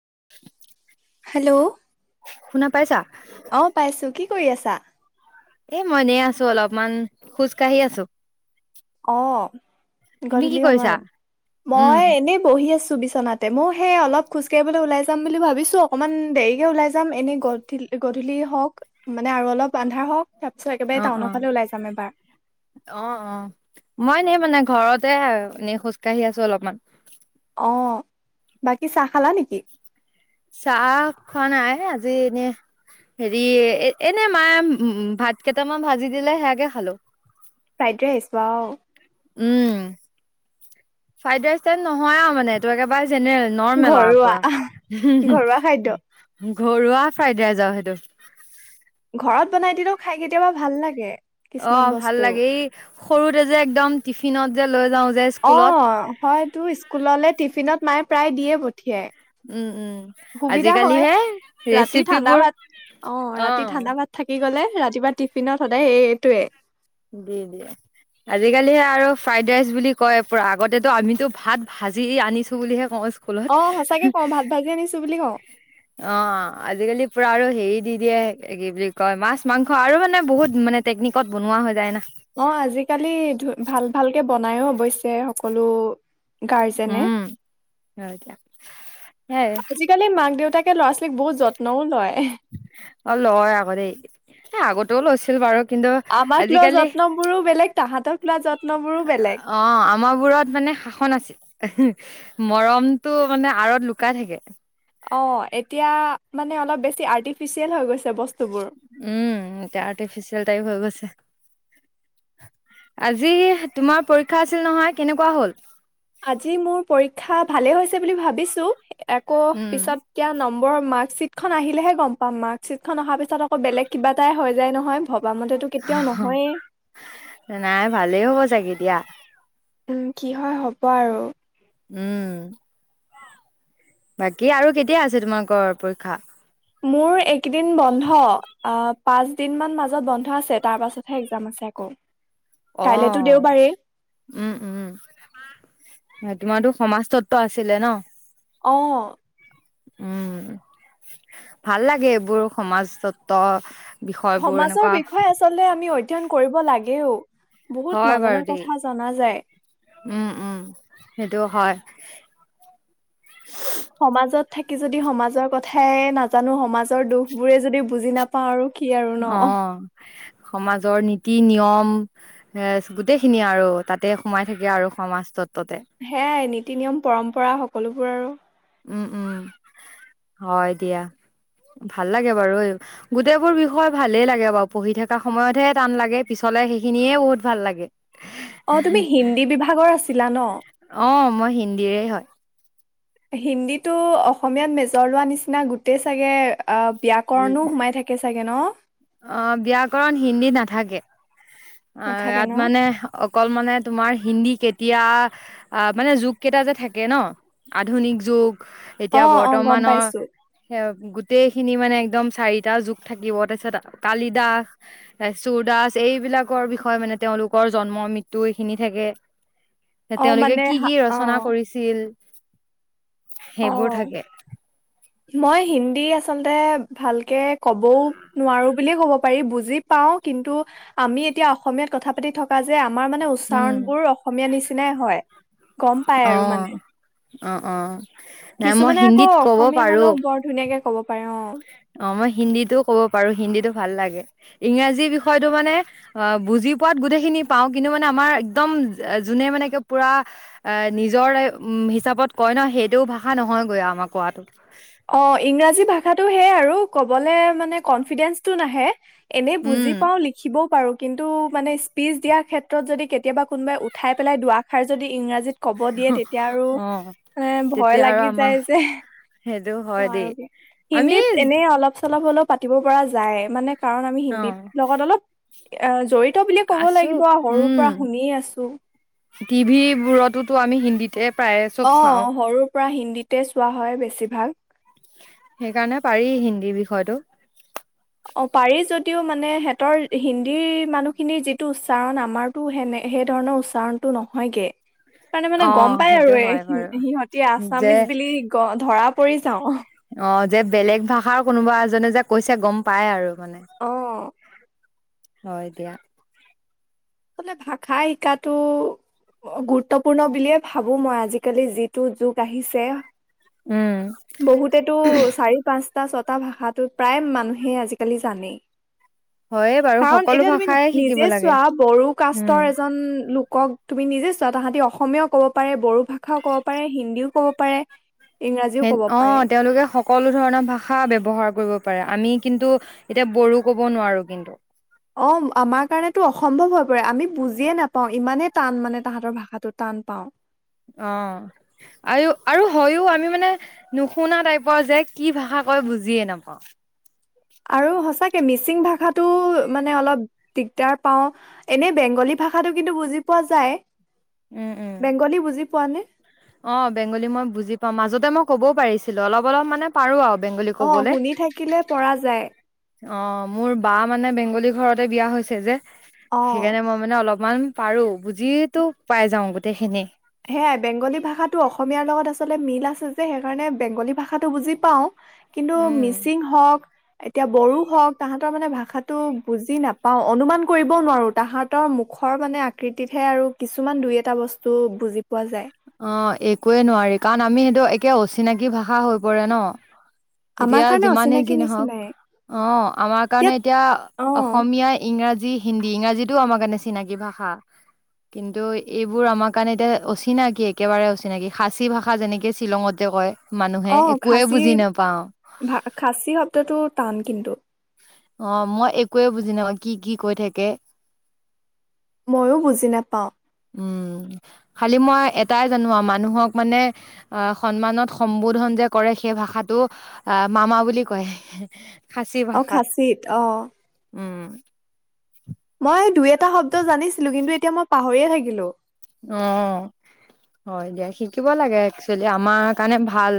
অ [inaudible] hello শুনা পাইছা অ পাইছো কি কৰি আছা এ মই এনেই আছো অলপমান খোজ কাঢ়ি আছো অ' তুমি কি গধূলি কৰিছা? সময়ত উম, মই এনেই বহি আছো। আছোঁ বিচনাতে। মইও সেই অলপ খোজ কাঢ়িবলৈ ওলাই যাম বুলি ভাবিছো, অকনমান দেৰিকে ওলাই যাম, এনেই গধূলি হওঁক মানে আৰু অলপ আন্ধাৰ হওঁক। তাৰপিছত একেবাৰে অ', টাউনৰ অ', ফালে ওলাই যাম এবাৰ। অ' অ'। মই এনে মানে ঘৰতে আৰু এনেই খোজ কাঢ়ি আছো অলপমান। অ' বাকি চাহ খালা নেকি? চাহ খোৱা নাই আজি এনে হেৰি এনে মায়ে ভাত কেইটামান ভাজি দিলে সেইয়াকে খালো। ফ্ৰাইড ৰাইচ ৱাও উম ফ্ৰাইড ৰাইচ টাইপ নহয় আৰু মানে এইটো একেবাৰে জেনেৰেল নৰ্মেল আৰু ঘৰুৱা পূৰা হু হু ঘৰুৱা খাদ্য হুম‌ ঘৰুৱা ফ্ৰাইড ৰাইচ আৰু সেইটো ঘৰত বনাই দিলেও খাই কেতিয়াবা ভাল লাগে। কিছুমান অ' ভাল বস্তু লাগে এই সৰুতে যে একদম টিফিন টিফিনত যে লৈ যাওঁ যে স্কুলত অ' হয়তো স্কুললে টিফিনত মায়ে প্ৰায় দিয়ে পঠিয়াই উম উম সুবিধা হয় আজিকালিহে ৰাতি ঠাণ্ডা ৰেচিপিবোৰ ভাত অ ৰাতি ঠাণ্ডা ভাত থাকি গ'লে ৰাতিপুৱা টিফিনত সদায় সে সেইটোৱে। উম আজিকালিহে আৰু ফ্ৰাইড ৰাইচ বুলি কৈ পুৰা আগতেটো আমি ভাত ভাজি আনিছো বুলিহে কওঁ কুলত অ সঁচাকে কওঁ ভাত ভাজি আনিছো বুলি কওঁ অ' আজিকালি পুৰা আৰু হেৰি দি দিয়ে এই কি বুলি কৈ মাছ, মাংস আৰু মানে বহুত টেকনিকত বনোৱা হয়। যাই না অ' আজিকালি ধু ভাল ভালকে বনাইও অৱশ্যে সকলো গাৰ্জেনে উম হয় দিয়া সেয়াই আজিকালি মাক দেউতাক তাকে ল'ৰা ছোৱালীক বহুত যত্নও লয় অ' লৈ আকৌ দেই, এ আগত লৈছিল বাৰু কিন্তু আমাক লোৱা আজিকালি যত্নবোৰো বেলেগ তাহাঁতক লোৱা যত্নবোৰো বেলেগ অ' আমাৰবোৰত মানে শাসন আছিল। মৰমটো মানে আঁৰত লুকাই থাকে। অ' এতিয়া মানে অলপ বেছি আৰ্টিফিচিয়েল হৈ গৈছে বস্তু উম এতিয়া আৰ্টিফিচিয়েল টাইপ হৈ গৈছে। আজি তোমাৰ পৰীক্ষা আছিল নহয় কেনেকোৱা হ'ল? আজি মোৰ পৰীক্ষা ভালে হৈছে। বুলি ভাবিছো একো উম, পিছত এতিয়া ন মই মাৰ্কশচিটখন আহিলেহে গম পাম মাৰ্কচিটখন অহাৰ পিছত আকৌ বেলেগ কিবা এটাই হৈ যায় নহয়। ভবা মতেতো কেতিয়াও নহয়েই, নাই ভালেই হ'ব চাগে এতিয়া। উম কি হয় হ'ব আৰু। উম বাকী আৰু কেতিয়া আছে তোমালোকৰ পৰীক্ষা? মোৰ এক কেইদিন বন্ধ পাঁচ দিন মান মাজত বন্ধ আছে তাৰ পাছতহে এক্জাম আছে আকৌ। কাইলেতো অঁ, দেওবাৰেই, উম উম তোমাৰতো সমাজতত্ত্ব আছিলে ন? অঁ উম ভাল লাগে এইবোৰ সমাজ তত্ব সমাজৰ বিষয়ে আচলতে আমি অধ্যয়ন কৰিব লাগে। এও হয় বাৰু, দেই, উম উম সেইটো হয়। [inaudible] সমাজত থাকি যদি সমাজৰ কথাই নাজানো সমাজৰ দুখবোৰেই যদি বুজি নাপাও আৰু কি আৰু ন অঁ সমাজৰ নীতি নিয়ম, এ গোটেইখিনি আৰু তাতে সোমাই থাকে আৰু সমাজটত সেয়াই নি নীতি নিয়ম পৰম্পৰা সকলোবোৰ আৰু উম উম, হয় দিয়া ভাল লাগে বাৰু এই গোটেইবোৰ বিষয় ভালেই লাগে বাৰু, পঢ়ি থকা সময়তহে টান লাগে পিছলে সেইখিনিয়ে বহুত ভাল লাগে। অঁ তুমি হিন্দী বিভাগৰ আছিলা ন? অ', মই হিন্দীৰে হয়। হিন্দীটো অসমীয়াত মেজৰ লোৱা নিচিনা গোটেই চাগে অব উ, অ ব্যয়াকৰণ হিন্দী নাথাকে। অ' নাথাকে ইয়াত ন মানে অকল মানে তোমাৰ হিন্দী কেতিয়া, মানে যুগ কেইটা যে থাকে ন আধুনিক যুগ অ এতিয়া অ গম বৰ্তমানৰ পাইছো গোটেইখিনি মানে একদম চাৰিটা যুগ থাকিব তাৰ পিছত কালি দাস সুৰ দাস এইবিলাকৰ বিষয়ে মানে তেওঁলোকৰ জন্ম মৃত্যু এইখিনি থাকে অ তেওঁলোকে মানে কি কি হা- অ ৰচনা কৰিছিল অ সেইবোৰ থাকে। মই হিন্দী আচলতে ভালকে ক'বও নোৱাৰো বুলিয়ে ক'ব পাৰি বুজি পাওঁ, কিন্তু আমি এতিয়া অসমীয়াত কথা পাতি থকা যে আ আমাৰ মানে উম উচ্চাৰণ বোৰ অসমীয়া নিচিনাই হয়, গম পাই অ আৰু মানে অ', অ'। নাই মই কিছুমানে আকৌ হিন্দীত ক'ব অসমীয়া পাৰো হলেও বৰ ধুনীয়াকে ক'ব পাৰে অ'। অ', মই হিন্দীটোও কব পাৰো হিন্দীটো ভাল লাগে, ইংৰাজী বিষয়টো মানে অ বুজি পোৱাত গোটেইখিনি পাও কিন্তু মানে আমাৰ একদম যোনে মানে পুৰা এ নিজৰ হিচাপত কয় ন সেইটোও ভাষা নহয়গৈ আমাৰ কোৱাটোত অ', ইংৰাজী ভাষাটো সেই আৰু ক'বলে মানে কনফিডেন্সটো নাহে এনেই উম বুজি পাওঁ লিখিবও পাৰোঁ কিন্তু মানে, স্পীচ দিয়াৰ ক্ষেত্ৰত যদি কেতিয়াবা কোনোবাই উঠাই পেলাই দুৱাষাৰ যদি ইংৰাজীত ক'ব দিয়ে তেতিয়া আৰু, অ এ ভয় তেতিয়া আৰু লাগি আমাৰ যায় যে সেইটো হয় দেই নোৱাৰোগে, আমি হিন্দীত এনে অলপ চলপ হলেও পাতিব পৰা য যায়, মানে কাৰণ আমি অ হিন্দীত, লগত অলপ অ জৰি আছো, উম', আছো টিভিবোৰতোতো আমি হিন্দীতে প্ৰায়ে চব চাওঁ অ', সৰুৰ পৰা হিন্দীত তে চোৱা হয় বেছি ভাগ। সেইকাৰণে পাৰি হিন্দী বিষয়টো। অ', পাৰি যদিও মানে হেতৰ হিন্দী মানুহখিনিৰ যিটো উচ্চাৰণ আমাৰতো সেনে সেই ধৰণৰ উচ্চাৰণটো নহয়গে। সেইকাৰণে মানে অ গম পাই সেইটো আৰু হয় এই বাৰু সিহঁতে যে আছামিজ বুলি গ ধৰা পৰি যাও। অ যে বেলেগ ভাষাৰ কোনোবা এজনে যে কৈছে গ'ম পায় আৰু। মানে। অ [inaudible] হয় দিয়া। ন ভাষা শিকাতো গুৰুত্বপূৰ্ণ বুলিয়ে ভাবো মই আজিকালি যিটো যুগ আহিছে উম বহুতেটো চাৰি পাঁচ ছটা ছটা ভাষাটো, প্ৰায় মানুহে আজিকালি জানেই। হয় বাৰু, কাৰণ সকলো এতিয়া তুমি ভাষাই শিকিব নিজে লাগে। চোৱা বড়ো উম কাষ্টৰ এজন লোক কওক তুমি নিজে চোৱা তাহাতি অসমীয়াও ক'ব পাৰে, বড়ো ভাষাও ক'ব পাৰে, হিন্দীও ক'ব পাৰে ইংৰাজীও সেই ক'ব পাৰে অ', তেওঁলোকে সকলো ধৰণৰ ভাষা ব্যৱহাৰ কৰিব পাৰে। আমি কিন্তু, এতিয়া বড়ো ক'ব নোৱাৰো কিন্তু। অ', আমাৰ কাৰণেতো অসম্ভৱ হৈ পৰে, আমি বুজিয়ে নাপাওঁ, ইমানে টান মানে তাহাঁতৰ ভাষাটো টান পাওঁ। অ', আৰু, আৰু হয়ো আমি মানে নুশুনা টাইপৰ যে, কি ভাষা কয় বুজিয়ে নাপাওঁ। আৰু সঁচাকে, মিচিং ভাষাটো মানে অলপ দিগদাৰ পাওঁ, এনেই বেংগলী ভাষাটো কিন্তু বুজি পোৱা যায় উম উম বেংগলী বুজি পোৱা নে অ বেংগলী মই বুজি পাম মাজতে মই কবও পাৰিছিলো অলপ অলপ মানে পাৰো আৰু বেংগলী অ ক'বলে। শুনি থাকিলে পৰা যায় অ মোৰ বা মানে বেংগলী ঘৰতে বিয়া হৈছে যে অ সেইকাৰণে মই মানে অলপমান পাৰো বুজি তো পাই যাওঁ গোটেইখিনি সেয়াই বেংগলী ভাষা ভাষাটো অসমীয়াৰ লগত আচলতে মিল আছে যে সেইকাৰণে বেংগলী ভাষাটো বুজি পাওঁ কিন্তু উম। মিচিং হওক এতিয়া বড়ো হওক তাহাঁতৰ মানে ভাষাটো বুজি নাপাওঁ অনুমান কৰিব নোৱাৰোঁ তাহাঁতৰ মুখৰ মানে আকৃতিতহে আৰু কিছুমান দুই এটা বস্তু বুজি পোৱা যায় অ একোৱে নোৱাৰি কাৰণ আমি সেইটো একে অচিনাকি ভাষা হৈ পৰে ন আমাৰ এতিয়া কাৰণে যিমানেই অচিনাকি যি নহওক নিচিনাই অ আমাৰ কাৰণে ইয়াত এতিয়া অ অসমীয়া ইংৰাজী হিন্দী ইংৰাজীটো আমাৰ কাৰণে চিনাকী ভাষা কিন্তু এইবোৰ আমাৰ কাৰণে এতিয়া অচিনাকি কি একেবাৰে অচিনাকি খাচী ভাষা যেনেকে শ্বিলঙতে কয় মানুহে অ একোৱে খাচী বুজি নাপাও ভ খাচী শব্দটো টান কিন্তু অ মই একোৱে বুজি নাপাওঁ কি কি কৈ থাকে মইয়ো বুজি নাপাওঁ উম খালি মই এটাই জানো মানুহক মানে আহ সন্মানত সম্বোধন যে কৰে সেই ভাষাটো আহ মামা বুলি কয় খাচী অ ভাষাত খাচিত অ উম মই দুই এটা শব্দ জানিছিলো কিন্তু এতিয়া মই পাহৰিয়ে থাকিলো অ হয় দিয়া শিকিব লাগে একচুৱেলি আমাৰ কাৰণে ভাল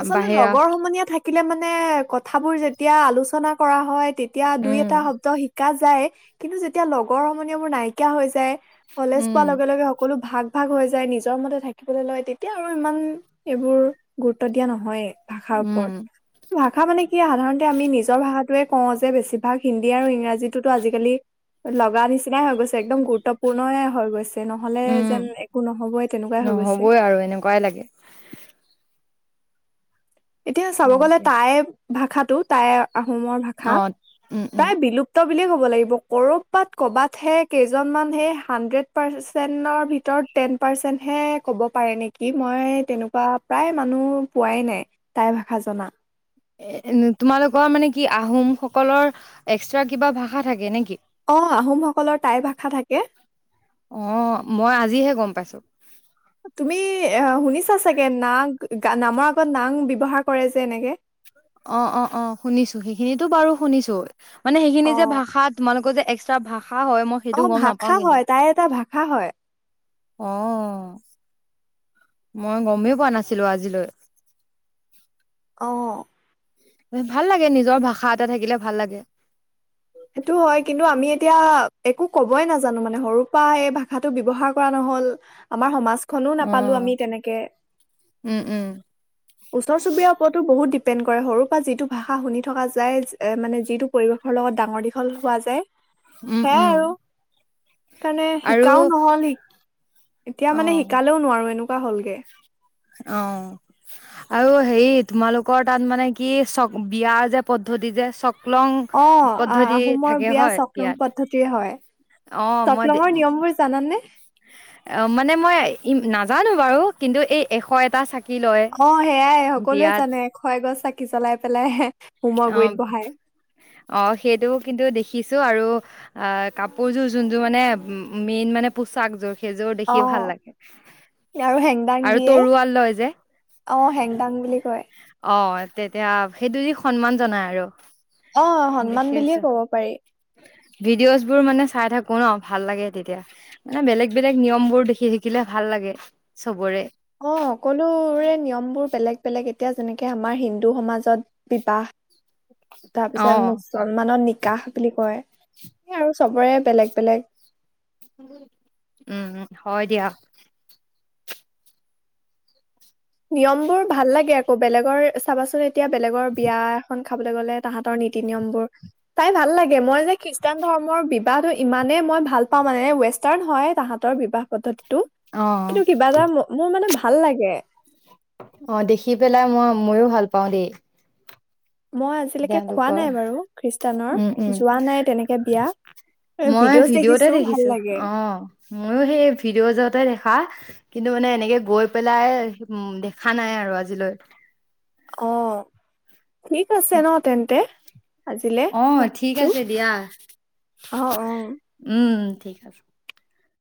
আচলতে বাহিৰা লগৰ সমনীয়া থাকিলে মানে কথাবোৰ যেতিয়া আলোচনা কৰা হয় তেতিয়া দুই উম এটা শব্দ শিকা যায় কিন্তু যেতিয়া লগৰ সমনীয়াবোৰ নাইকিয়া হৈ যায় কলেজ উম পোৱাৰ লগে লগে সকলো ভাগ ভাগ হৈ যায় নিজৰ মতে থাকিবলৈ লয় তেতিয়া আৰু ইমান এইবোৰ গুৰুত্ব ত দিয়া নহয়েই। ভাষাৰ উম ওপৰত, ভাষ ভাষা মানে কি সাধাৰণতে আমি নিজৰ ভাষাটোৱে কওঁ যে বেছিভাগ হিন্দী আৰু ইংৰাজীটোতো আজিকালি লগা নিচিনাই হৈ গৈছে একদম গুৰুত্বপূৰ্ণে হৈ গৈছে। নহ'লে উম যেন একো নহ'বই তেনেকুৱাই হৈ গৈছে। নহবই আৰু এনেকুৱাই লাগে এতিয়া চাব হয় গ'লে দিয়া তাই ভাষাটো তাই আহোমৰ ভাষা অ উম উম টাই বিলুপ্ত বুলিয়ে ক'ব লাগিব কৰ'ৰবাত ক'বাতহে কেইজনমানহে হানড্ৰেড পাৰচেন্টৰ ভিতৰত টেন পাৰচেন্টহে ক'ব পাৰে নেকি মই তেনেকুৱা প্ৰায় মানুহ পোৱাই নাই। টাই ভাষা জনা? এ তোমালোকৰ মানে কি আহোম সকলৰ এক্সট্ৰা কিবা ভাষা থাকে নেকি? অ', আহোমসকলৰ টাই ভাষা থাকে। অ মই আজিহে গম পাইছো তুমি এ শুনিছা চাগে নাক নামৰ আগত নাং ব্যৱহাৰ কৰে যে এনেকে। অ', অ', অ', শুনিছো সেইখিনিতো বাৰু শুনিছো। মানে সেইখিনি অ যে ভাষাত তোমালোকৰ যে [unintelligible] সেইটো অ', গম নাপাও ভাষা কিন্তু হয়, টাই এটা ভাষা হয়। অ', মই গমেই পোৱা নাছিলো আজিলৈ। অ'। ভাল লাগে নিজৰ ভাষা এটা থাকিলে ভাল লাগে। সেইটো হয় কিন্তু আমি এতিয়া একো ক'বই নাজানো মানে সৰু পৰা এই ভাষাটো ব্যৱহাৰ কৰা নহ'ল আমাৰ সমাজ খনো অ নাপালো আমি তেনেকে, উম উম ওচৰ-চুবুৰীয়াৰ ওপৰতো বহুত ডি ডিপেণ্ড কৰে সৰুৰ পৰা যিটো ভাষা শুনি থকা যায় মানে যিটো পৰিৱেশৰ লগত ডাঙৰ দীঘল হোৱা যায়। উম সেয়াই উম আৰু তেণে আৰু শিকাও নহ'ল এতিয়া অ মানে শিকালেও নোৱাৰো এনেকা। ৱা হ'লগে। অ', আৰু হেৰি তোমালোকৰ তাত মানে কি চ বিয়াৰ যে পদ্ধতি যে চক অ', আহ-আহোমৰ বিয়া হয় চ'কলং বিয়াত পদ্ধতিৰে হয়, অ মই চ'কলঙৰ নিয়ম বোৰ জানানানে? অ', মানে মই ই নাজানো বাৰু কিন্তু এই এশ এটা চাক অ', সেয়াই সকলোৱে জানে এশ এগছ চা চাকি জ্বলাই পেলাই হোমৰ গুৰিত অ', বহাই অ', সেইটো কিন্তু দেখিছো আৰু অ', কাপোৰযোৰ যোন যোৰ মানে মেইন মানে পোচাকযোৰ সেইযোৰ দেখি ভাল অ', লাগে আৰু হেংদাং আৰু দিয়ে, তৰোৱাল লয় যে অ', হেংদাং বুলি কয়। অ', তেতিয়া সেইটো দি সন্মান জনাই আৰু। অ', সন্মান দেখি আছো বুলিয়েই ক'ব পাৰি। ভিডিঅ'জ বোৰ মানে চাই থাকো ন' ভাল লাগে তেতিয়া মানে বেলেগ বেলেগ নিয়ম বোৰ দেখি থিকিলে ভাল লাগে চবৰে। অ', সকলোৰে নিয়ম বোৰ বেলেগ। বেলেগ এতিয়া যেনেকে আমাৰ হিন্দু সমাজত বিবাহ তাৰ অ পিছত মুছলমানৰ কাহঁ বুলি কয় সে আৰু চবৰে বেলেগ বেলেগ উম, হয় দিয়া। নিয়ম বোৰ ভাল লাগে আকৌ বেলেগৰ চাবাচোন এ এতিয়া বেলেগৰ বিয়া এখন খাবলৈ গ'লে তাহাঁতৰ নীতি-নিয়ম বোৰ টাই ভাল লাগে মই যে খ্ৰীষ্টান ধৰ্মৰ বিবাহো ইমানে মই ভাল পাওঁ মানে ৱেষ্টাৰ্ণ হয় তাহাঁতৰ বিবাহ পদ্ধতি অ কিন্তু কিবা যাম মোৰ মানে ভাল ভাল লাগে। অ', দেখি পেলাই মই ময়ো ভাল পাওঁ দেই। মই আজিলৈকে খোৱা তেওঁলোকৰ নাই বাৰু খ্ৰীষ্টানৰ উম, যোৱা নাই তেনেকে বিয়া উম মই ভিডিঅ'জ ভিডিঅ'তে ভাল দেখিছো লাগে অ' ময়ো সেই ভিডিঅ' যহতে দেখা। কিন্তু মানে এনেকে গৈ পেলাই উম, দেখা নাই আৰু আজিলৈ। অহ। ঠিক আছে ন' তেন্তে। আজিলে অ', ঠিক ৰাখিছো আছে দিয়া, অ অ উম। ঠিক আছে।